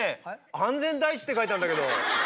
「安全第一」って書いてあるんだけど。